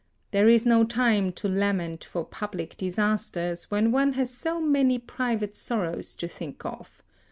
There is no time to lament for public disasters, when one has so many private sorrows to think of.